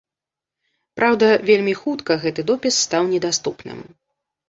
Праўда, вельмі хутка гэты допіс стаў недаступным.